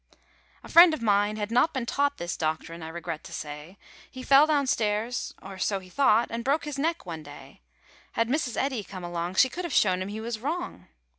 A friend of mine had not been taught This doctrine, I regret to say. He fell downstairs, or so he thought, And broke his neck, one day. Had Mrs. Eddy come along, She could have shown him he was wrong.